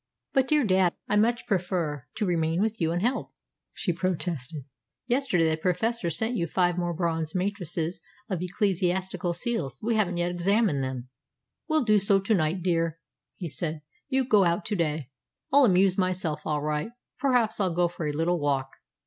"But, dear dad, I much prefer to remain with you and help you," she protested. "Yesterday the Professor sent you five more bronze matrices of ecclesiastical seals. We haven't yet examined them." "We'll do so to night, dear," he said. "You go out to day. I'll amuse myself all right. Perhaps I'll go for a little walk."